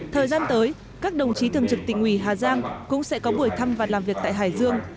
thời gian tới các đồng chí thường trực tỉnh ủy hà giang cũng sẽ có buổi thăm và làm việc tại hải dương